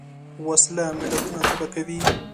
وسله ملتونه تباه کوي